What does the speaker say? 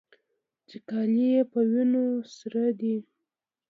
چې کالي يې په وينو سره دي.